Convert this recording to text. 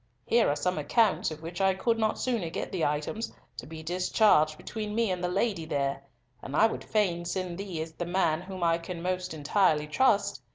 Here are some accounts of which I could not sooner get the items, to be discharged between me and the lady there—and I would fain send thee as the man whom I can most entirely trust.